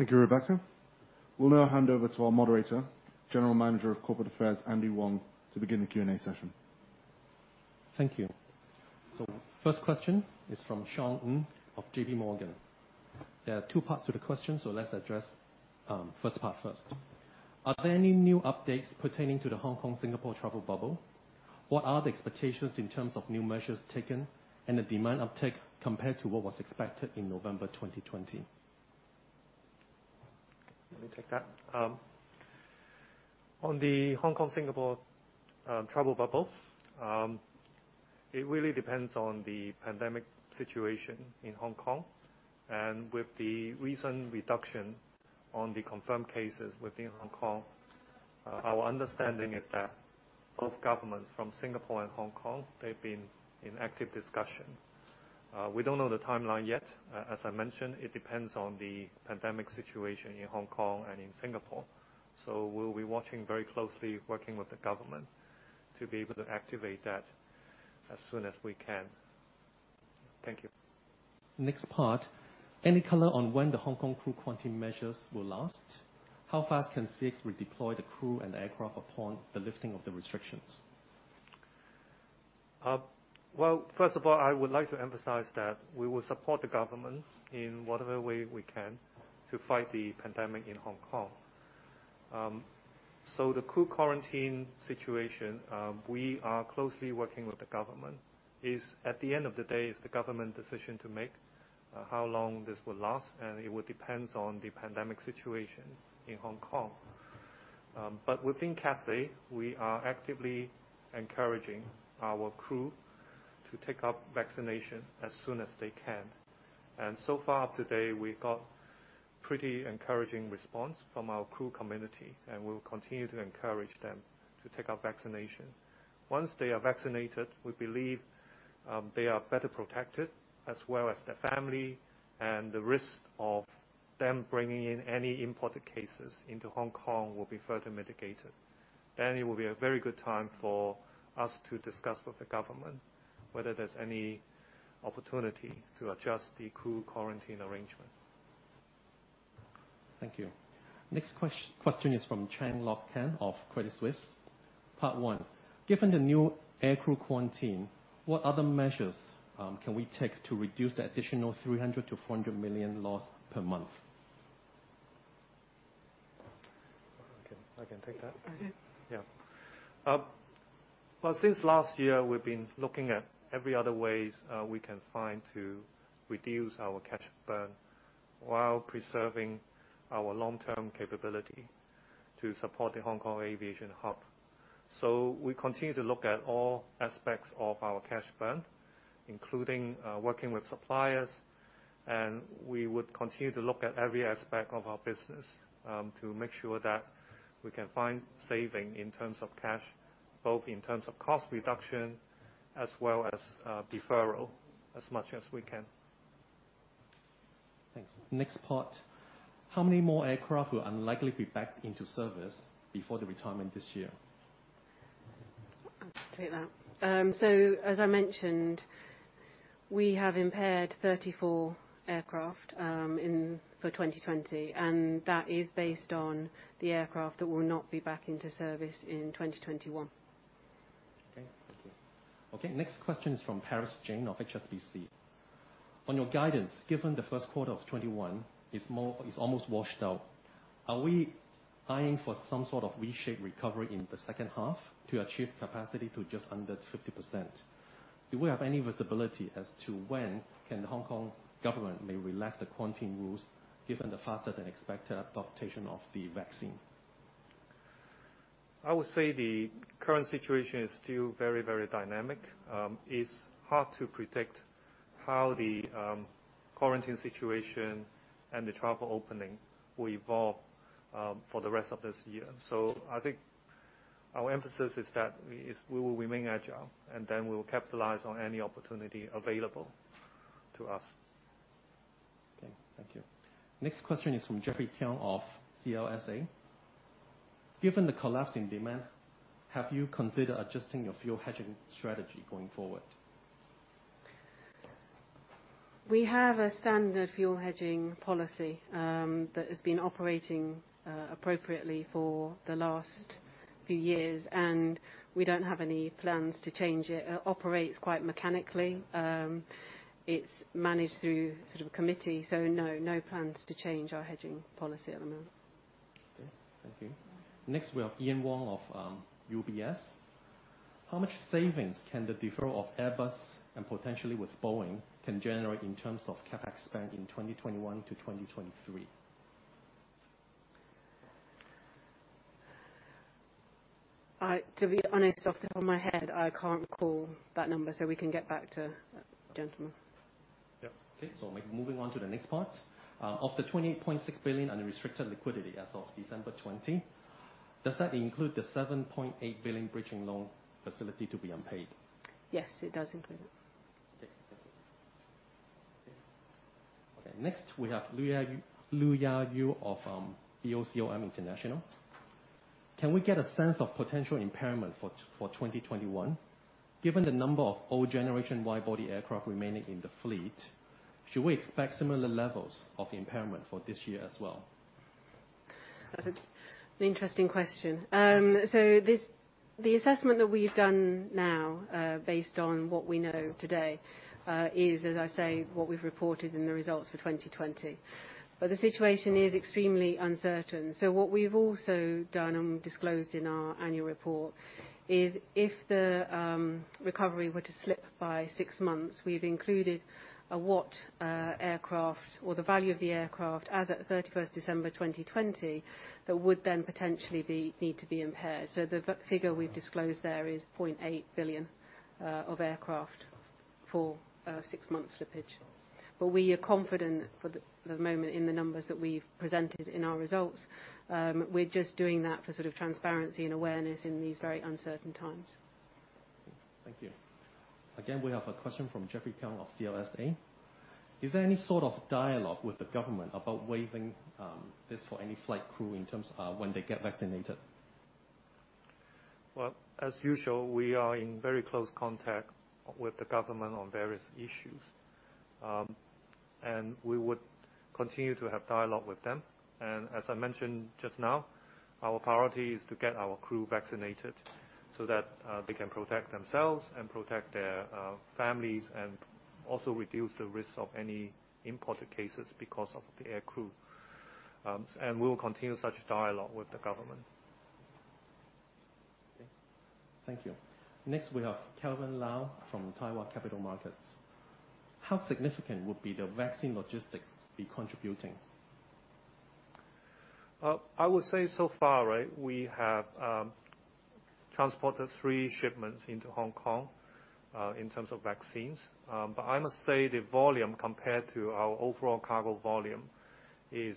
Thank you, Rebecca. We'll now hand over to our moderator, General Manager of Corporate Affairs, Andy Wong, to begin the Q&A session. Thank you. First question is from Sean Ng of JPMorgan. There are two parts to the question, let's address first part, first. Are there any new updates pertaining to the Hong Kong, Singapore travel bubble? What are the expectations in terms of new measures taken and the demand uptake compared to what was expected in November 2020? Let me take that. The Hong Kong, Singapore travel bubble, it really depends on the pandemic situation in Hong Kong. With the recent reduction on the confirmed cases within Hong Kong, our understanding is that both governments from Singapore and Hong Kong, they've been in active discussion. We don't know the timeline yet. As I mentioned, it depends on the pandemic situation in Hong Kong and in Singapore. We'll be watching very closely, working with the government, to be able to activate that as soon as we can. Thank you. Next part. Any color on when the Hong Kong crew quarantine measures will last? How fast can CX redeploy the crew and aircraft upon the lifting of the restrictions? First of all, I would like to emphasize that we will support the government in whatever way we can to fight the pandemic in Hong Kong. The crew quarantine situation, we are closely working with the government. At the end of the day, it's the government decision to make, how long this will last, and it would depends on the pandemic situation in Hong Kong. Within Cathay, we are actively encouraging our crew to take up vaccination as soon as they can. So far today, we got pretty encouraging response from our crew community, and we will continue to encourage them to take up vaccination. Once they are vaccinated, we believe, they are better protected as well as their family, and the risk of them bringing in any imported cases into Hong Kong will be further mitigated. It will be a very good time for us to discuss with the government whether there's any opportunity to adjust the crew quarantine arrangement. Thank you. Next question is from Chan Lok Kan of Credit Suisse. Part one, given the new crew quarantine, what other measures can we take to reduce the additional 300 million-400 million loss per month? I can take that. Okay. Yeah. Well, since last year, we’ve been looking at every other ways we can find to reduce our cash burn while preserving our long-term capability to support the Hong Kong aviation hub. We continue to look at all aspects of our cash burn, including working with suppliers, and we would continue to look at every aspect of our business, to make sure that we can find saving in terms of cash, both in terms of cost reduction as well as deferral, as much as we can. Thanks. Next part, how many more aircraft will unlikely be back into service before the retirement this year? I'll take that. As I mentioned, we have impaired 34 aircraft for 2020, and that is based on the aircraft that will not be back into service in 2021. Okay. Thank you. Okay, next question is from Parash Jain of HSBC. On your guidance, given the first quarter of 2021 is almost washed out, are we eyeing for some sort of V-shaped recovery in the second half to achieve capacity to just under 50%? Do we have any visibility as to when can Hong Kong government may relax the quarantine rules given the faster than expected adaptation of the vaccine? I would say the current situation is still very dynamic. It is hard to predict how the quarantine situation and the travel opening will evolve for the rest of this year. I think our emphasis is that we will remain agile, and then we will capitalize on any opportunity available to us. Okay. Thank you. Next question is from Jeffrey Tiong of CLSA. Given the collapse in demand, have you considered adjusting your fuel hedging strategy going forward? We have a standard fuel hedging policy, that has been operating appropriately for the last few years. We don't have any plans to change it. It operates quite mechanically. It's managed through sort of a committee, so no plans to change our fuel hedging policy at the moment. Okay. Thank you. Next we have Ian Wong of UBS. How much savings can the deferral of Airbus and potentially with Boeing can generate in terms of CapEx spend in 2021-2023? To be honest, off the top of my head, I can't recall that number, so we can get back to gentlemen. Yep. Moving on to the next part. Of the 28.6 billion unrestricted liquidity as of December 2020, does that include the 7.8 billion bridging loan facility to be unpaid? Yes, it does include it. Okay. Thank you. Okay. Next we have Luya You of BOCOM International. Can we get a sense of potential impairment for 2021? Given the number of old-generation wide-body aircraft remaining in the fleet, should we expect similar levels of impairment for this year as well? That's an interesting question. The assessment that we've done now, based on what we know today, is, as I say, what we've reported in the results for 2020. The situation is extremely uncertain. What we've also done and disclosed in our annual report, is if the recovery were to slip by six months, we've included a what aircraft, or the value of the aircraft as at December 31st, 2020, that would then potentially need to be impaired. The figure we've disclosed there is 0.8 billion of aircraft for six months slippage. We are confident for the moment in the numbers that we've presented in our results. We're just doing that for sort of transparency and awareness in these very uncertain times. Thank you. Again, we have a question from Jeffrey Kung of CLSA. Is there any sort of dialogue with the government about waiving this for any flight crew in terms of when they get vaccinated? Well, as usual, we are in very close contact with the government on various issues. We would continue to have dialogue with them. As I mentioned just now, our priority is to get our crew vaccinated so that they can protect themselves and protect their families, and also reduce the risk of any imported cases because of the air crew. We will continue such dialogue with the government. Okay. Thank you. Next we have Kelvin Lau from Daiwa Capital Markets. How significant would be the vaccine logistics be contributing? I would say so far, we have transported three shipments into Hong Kong, in terms of vaccines. I must say the volume compared to our overall cargo volume is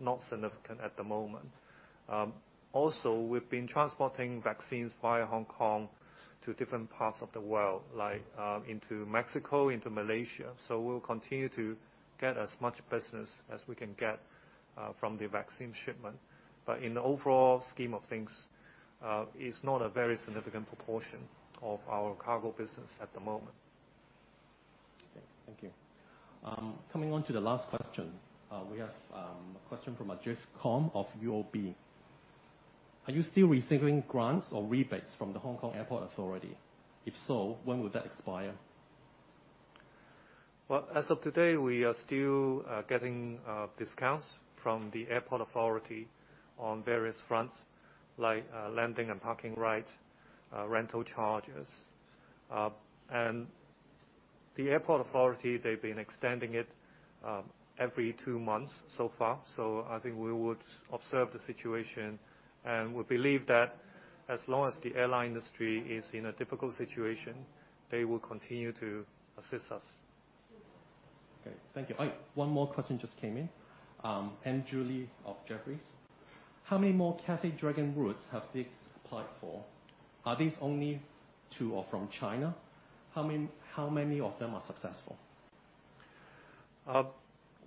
not significant at the moment. We've been transporting vaccines via Hong Kong to different parts of the world like, into Mexico, into Malaysia. We'll continue to get as much business as we can get from the vaccine shipment. In the overall scheme of things, it's not a very significant proportion of our cargo business at the moment. Okay. Thank you. Coming on to the last question. We have a question from Ajith Kom of UOB. Are you still receiving grants or rebates from the Airport Authority Hong Kong? If so, when would that expire? Well, as of today, we are still getting discounts from the Airport Authority on various fronts like landing and parking right, rental charges. The Airport Authority, they've been extending it every two months so far. I think we would observe the situation, and we believe that as long as the airline industry is in a difficult situation, they will continue to assist us. Okay. Thank you. One more question just came in. Andrew Lee of Jefferies. How many more Cathay Dragon routes have since applied for? Are these only to or from China? How many of them are successful?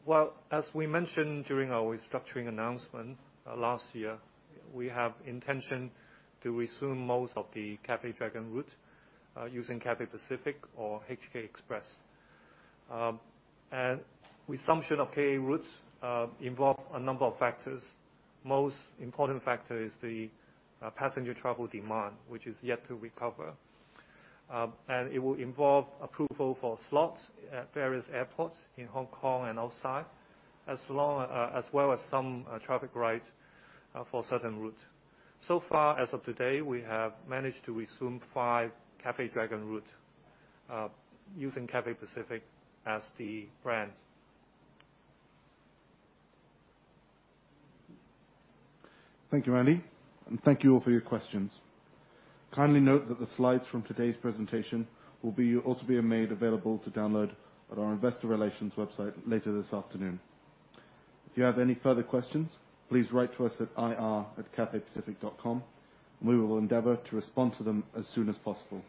Well, as we mentioned during our restructuring announcement last year, we have intention to resume most of the Cathay Dragon route, using Cathay Pacific or HK Express. Resumption of KA routes involve a number of factors. Most important factor is the passenger travel demand, which is yet to recover. It will involve approval for slots at various airports in Hong Kong and outside, as well as some traffic right for certain routes. So far as of today, we have managed to resume five Cathay Dragon routes, using Cathay Pacific as the brand. Thank you, Andy. Thank you all for your questions. Kindly note that the slides from today's presentation will also be made available to download at our investor relations website later this afternoon. If you have any further questions, please write to us at ir@cathaypacific.com and we will endeavor to respond to them as soon as possible.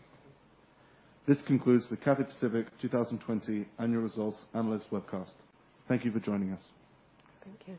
This concludes the Cathay Pacific 2020 annual results analyst webcast. Thank you for joining us. Thank you.